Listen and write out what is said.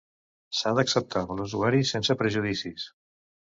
S'ha d'acceptar a l'usuari sense prejudicis.